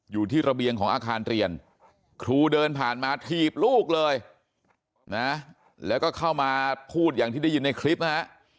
ระเบียงของอาคารเรียนครูเดินผ่านมาถีบลูกเลยนะแล้วก็เข้ามาพูดอย่างที่ได้ยินในคลิปนะฮะ